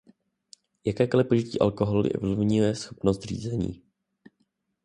Jakékoli požití alkoholu ovlivňuje schopnost řízení.